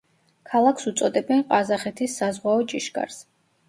ქალაქს უწოდებენ ყაზახეთის „საზღვაო ჭიშკარს“.